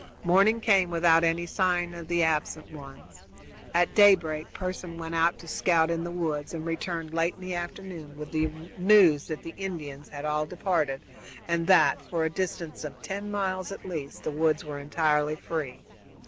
Morning came, without any signs of the absent ones. At daybreak Pearson went out to scout in the woods, and returned late in the afternoon with the news that the Indians had all departed, and that, for a distance of ten miles at least, the woods were entirely free.